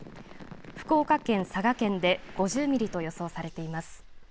福岡県、佐賀県で５０ミリと予想されています。